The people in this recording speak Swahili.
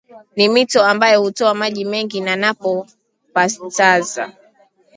ni mito ambayo hutoa maji mengi ni Napo Pastaza